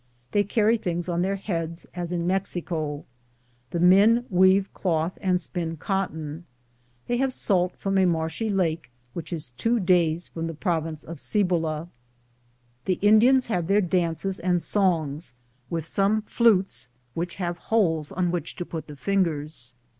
They carry things on their heads, as in Mexico. The men weave cloth and spin cotton. They have salt from a marshy lake, which is two days from the province of Cibola. 1 The Indians have their dances and songs, with some flutes which have holes on which to put the fingers.